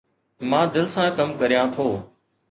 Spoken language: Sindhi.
مان دل سان ڪم ڪريان ٿو